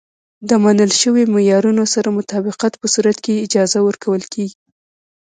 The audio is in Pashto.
د منل شویو معیارونو سره مطابقت په صورت کې یې اجازه ورکول کېږي.